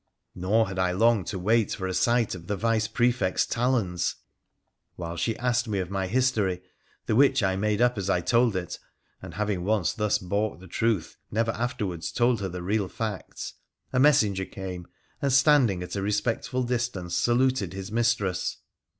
Nor had I long to wait for a sight of the Vice Prefect's talons ! While she asked me of my history, the which I made up as I told it (and, having once thus baulked the truth, never afterwards told her the real facts), a messenger came, and, standing at a respectful distance, saluted his mistress.